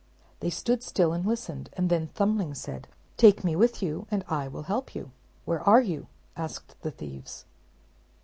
They stood still and listened; and then Thumbling said, "Take me with you, and I will help you." "Where are you?" asked the thieves.